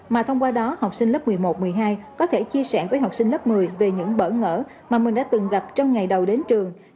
mà thông qua đó học sinh lớp một mươi một một mươi hai có thể chia sẻ với học sinh lớp một mươi về những bỡ ngỡ mà mình đã từng gặp trong ngày đầu đến trường